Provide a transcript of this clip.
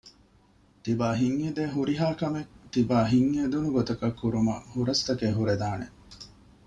ތިބާ ހިތް އެދޭ ހުރިހާ ކަމެއް ތިބާ ހިތް އެދުނުގޮތަށް ކުރުމަށް ހުރަސްތަކެއް ހުރެދާނެ